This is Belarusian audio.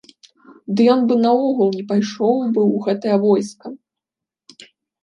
Ды ён бы наогул не пайшоў бы ў гэтае войска.